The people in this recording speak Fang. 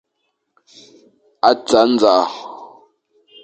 A tsa ndzaʼa.